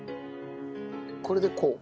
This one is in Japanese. これでこう？